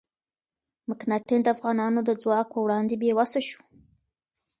مکناتن د افغانانو د ځواک په وړاندې بې وسه شو.